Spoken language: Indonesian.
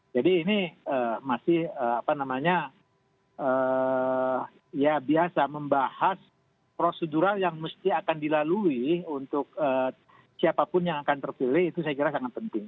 jadi ini masih apa namanya ya biasa membahas prosedural yang mesti akan dilalui untuk siapapun yang akan terpilih itu saya kira sangat penting